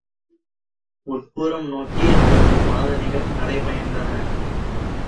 உட்புறம் நோக்கி அவரது பாதணிகள் நடைபயின்றன!